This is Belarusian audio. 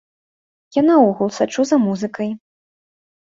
Я наогул сачу за музыкай.